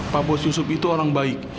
pak bos yusuf itu orang baik